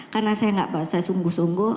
karena saya gak baca sungguh sungguh